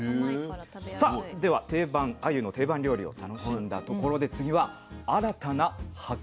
さあではあゆの定番料理を楽しんだところで次は新たな発見。